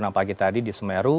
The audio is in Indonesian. pukul enam pagi tadi di semeru